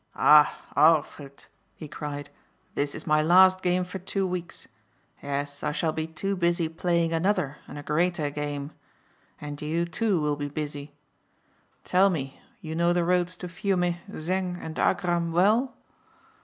"Ah, Arlfrit," he cried, "this is my last game for two weeks. Yes, I shall be too busy playing another and a greater game. And you, too, will be busy. Tell me you know the roads to Fiume, Zengg and Agram well?"